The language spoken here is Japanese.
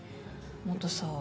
もっとさ